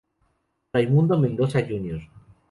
Raymundo Mendoza Jr.